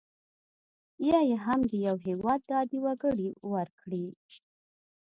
یا یې هم د یو هیواد عادي وګړي ورکړي.